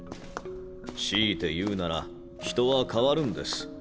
強いて言うなら人は変わるんです。